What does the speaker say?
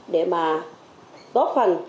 để mà góp phần